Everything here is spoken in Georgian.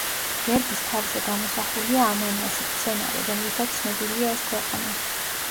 გერბის თავზე გამოსახულია ანანასი, მცენარე, რომლითაც ცნობილია ეს ქვეყანა.